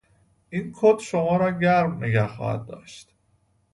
این کت شما را گرم نگه خواهد داشت.